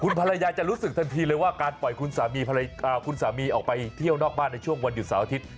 ภรรยาจะรู้สึกทันทีเลยว่าการปล่อยคุณสามีออกไปเที่ยวนอกบ้านในช่วงวันหยุดเสาร์อาทิตย์